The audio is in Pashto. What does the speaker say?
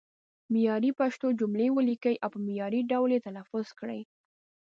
معیاري پښتو جملې ولیکئ او په معیاري ډول یې تلفظ کړئ.